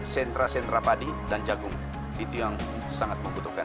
sentra sentra padi dan jagung itu yang sangat membutuhkan